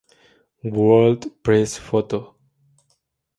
World Press Photo.